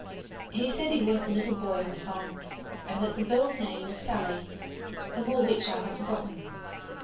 He said he was the little boy in the poem, and that the girl's name was Sally, and more which I have forgotten.